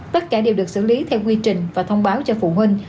tất cả đều được xử lý theo quy trình và thông báo cho phụ huynh